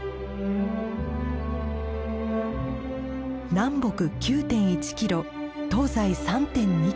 南北９．１キロ東西３．２キロ。